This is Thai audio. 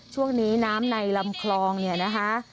ช่วงนี้น้ำในลำคลองเนี่ยนะคะ